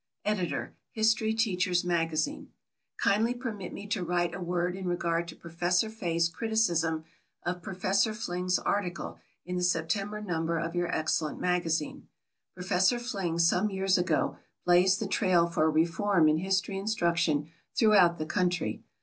Editor HISTORY TEACHER'S MAGAZINE: Kindly permit me to write a word in regard to Professor Fay's criticism of Professor Fling's article in the September number of your excellent magazine. Professor Fling some years ago blazed the trail for a reform in history instruction throughout the country.